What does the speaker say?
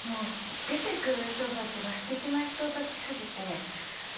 出てくる人たちがすてきな人たち過ぎて。